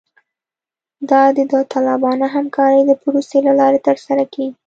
دا د داوطلبانه همکارۍ د پروسې له لارې ترسره کیږي